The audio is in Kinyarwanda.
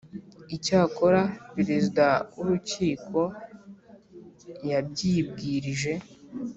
Icyakora Perezida w Urukiko yabyibwirije